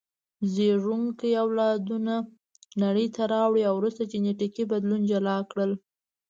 زېږوونکي اولادونه نړۍ ته راوړي او وروسته جینټیکي بدلون جلا کړل.